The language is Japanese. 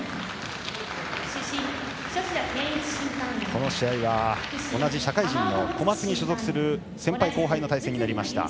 この試合は同じ社会人のコマツに所属する先輩・後輩の対戦になりました。